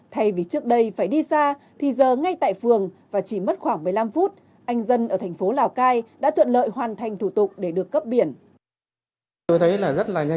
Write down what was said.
thay vì trước đây phải đi xa thì giờ ngay tại phường và chỉ mất khoảng một mươi năm phút anh dân ở thành phố lào cai đã thuận lợi hoàn thành thủ tục để được cấp biển